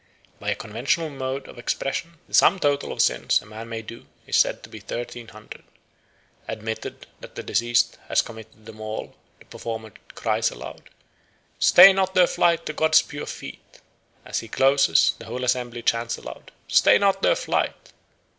"By a conventional mode of expression, the sum total of sins a man may do is said to be thirteen hundred. Admitting that the deceased has committed them all, the performer cries aloud, 'Stay not their flight to God's pure feet.' As he closes, the whole assembly chants aloud 'Stay not their flight.'